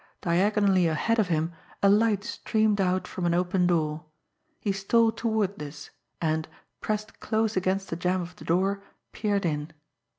Diagonally ahead of him a light streamed out from an open door. He stole toward this, and, pressed close against the jamb of the door, peered in.